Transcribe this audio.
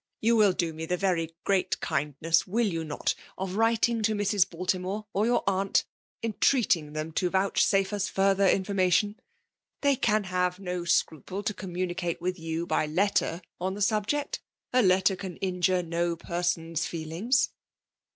You will do me the very great kindness — will you not of writing to Mrs^ Baltimore^ or your aunt, entreating ihtsta to vouchsafe us further information ? They can have no scruple to communicate with you, by lettCT, on the subject ;*« letter can injure no person's feelings."